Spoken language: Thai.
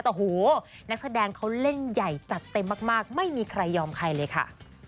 แต่โหนักแสดงเขาเล่นใหญ่จัดเต็มมากไม่มีใครยอมใครเลยค่ะ